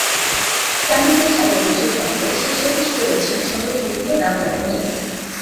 সাহরিতে স্বাদের বৈচিত্র্য আনতে শেষ রাতে ছুটে যাচ্ছেন শহরের বিভিন্ন নামকরা হোটেলে।